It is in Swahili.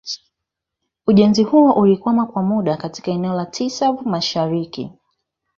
Ujenzi huo ulikwama kwa muda katika eneo la Tsavo mashariki